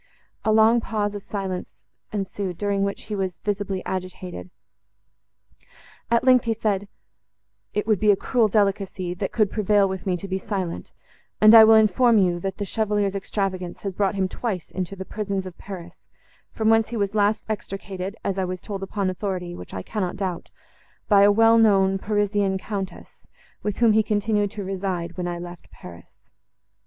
A long pause of silence ensued, during which he was visibly agitated; at length, he said, "It would be a cruel delicacy, that could prevail with me to be silent—and I will inform you, that the Chevalier's extravagance has brought him twice into the prisons of Paris, from whence he was last extricated, as I was told upon authority, which I cannot doubt, by a well known Parisian Countess, with whom he continued to reside, when I left Paris."